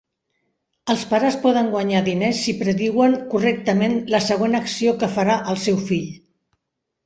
Els pares poden guanyar diners si prediuen correctament la següent acció que farà el seu fill.